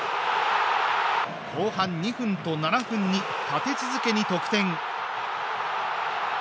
後半２分と７分に立て続けに得点。